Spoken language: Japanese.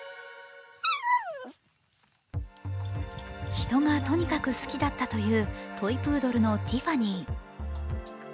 人がとにかく好きだったという、トイプードルのティファニー。